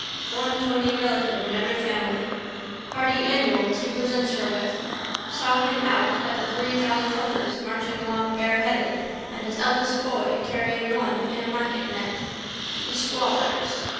One tony relative in every family. Hardy annuals he presents her with. Saw him out at the Three Jolly Topers marching along bareheaded and his eldest boy carrying one in a marketnet. The squallers.